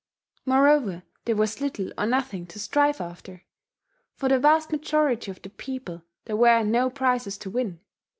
Moreover, there was little or nothing to strive after: for the vast majority of the people, there were no prizes to win.